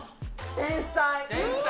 天才？